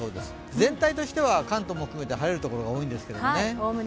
全体としては関東も含めて晴れる所が多いんですけどね。